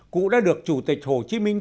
cụ đã được chủ tịch hồ chí minh